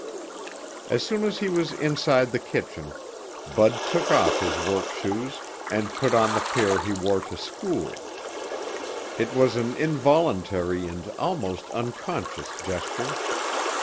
As soon as he was inside the kitchen, Bud took off his work shoes and put on the pair he wore to school. It was an involuntary and almost unconscious gesture.